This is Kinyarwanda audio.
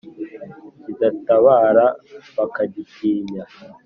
kidatabara bakagitinya